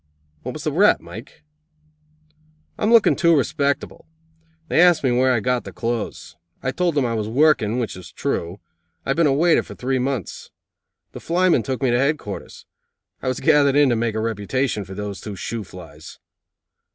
"What was the rap, Mike?" "I'm looking too respectable. They asked me where I got the clothes. I told them I was working, which was true. I have been a waiter for three months. The flymen took me to headquarters. I was gathered in to make a reputation for those two shoo flies.